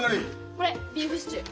これビーフシチュー。